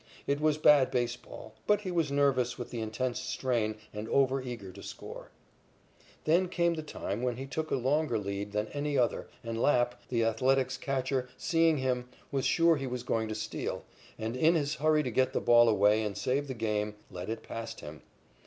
It was bad baseball, but he was nervous with the intense strain and over eager to score. Then came the time when he took a longer lead than any other, and Lapp, the Athletics' catcher, seeing him, was sure he was going to steal, and in his hurry to get the ball away and save the game, let it past him.